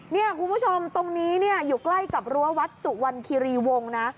นี่คุณผู้ชมตรงนี้อยู่ใกล้กับรั้ววัดสุวรรณคิรีวงนะ